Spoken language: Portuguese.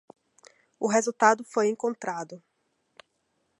O resultado foi encontrado